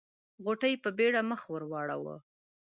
غوټۍ په بيړه مخ ور واړاوه.